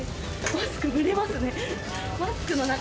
マスク蒸れますね。